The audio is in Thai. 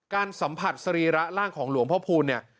การสัมผัสสรีระร่างของหลวงพ่อคูณเนี่ย